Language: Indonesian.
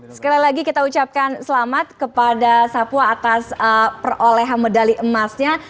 sekali lagi kita ucapkan selamat kepada sapua atas perolehan medali emasnya